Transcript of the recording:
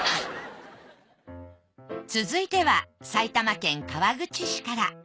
続いては埼玉県川口市から。